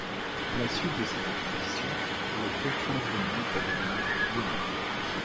À la suite de cette acquisition, le groupe change de nom pour devenir Yum!